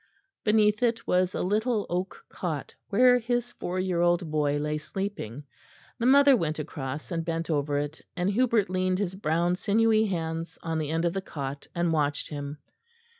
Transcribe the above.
Beneath it was a little oak cot, where his four year old boy lay sleeping; the mother went across and bent over it, and Hubert leaned his brown sinewy hands on the end of the cot and watched him.